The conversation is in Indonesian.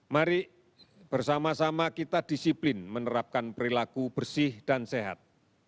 mari bersama sama kita disiplin menerapkan perilaku bersih dan sehat